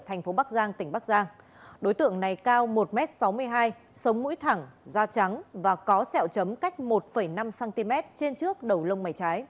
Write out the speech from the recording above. thành phố thành trung